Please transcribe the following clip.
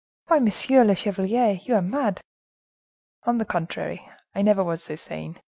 Why, monsieur le chevalier, you are mad!" "On the contrary, I never was so sane.